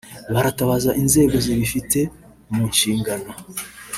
baratabaza inzego zibafite mu nshingano